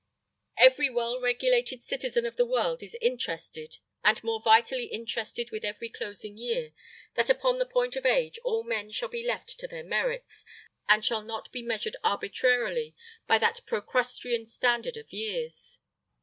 Every well regulated citizen of the world is interested, and more vitally interested with every closing year, that upon the point of age all men shall be left to their merits, and shall not be measured arbitrarily by that Procrustean standard of years.